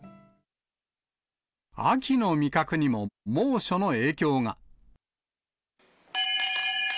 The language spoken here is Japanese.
秋の味覚にも猛暑の影響が。